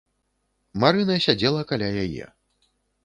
Марына сядзела каля яе.